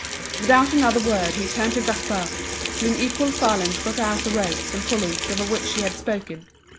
Without another word he turned to Gaspard, who in equal silence got out the ropes and pulleys of which she had spoken.